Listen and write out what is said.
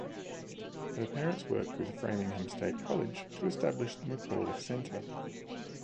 Her parents worked with Framingham State College to establish the McAuliffe Center.